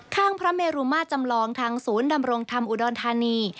ข้างพระเมรุมาจำลองทางศูนย์ดำรงธรรมอุดรธานี